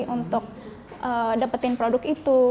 untuk dapetin produk itu